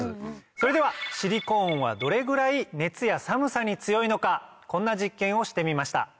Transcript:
それではシリコーンはどれぐらい熱や寒さに強いのかこんな実験をしてみました。